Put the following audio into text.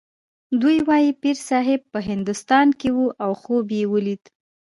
دوی وايي پیرصاحب په هندوستان کې و او خوب یې ولید.